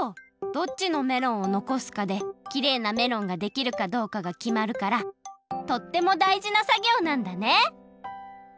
どっちのメロンをのこすかできれいなメロンができるかどうかがきまるからとってもだいじなさぎょうなんだね！